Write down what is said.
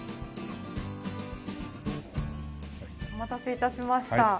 お待たせ致しました。